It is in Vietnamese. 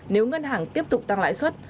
nếu ngân hàng tiếp tục tăng lãi xuất